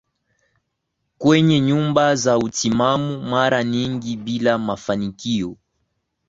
kwenye nyumba za utimamu mara nyingi bila mafanikio